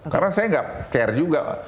karena saya nggak care juga